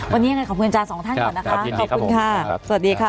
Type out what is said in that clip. วันนี้ขอบคุณจานสองท่านก่อนนะคะขอบคุณค่ะสวัสดีค่ะ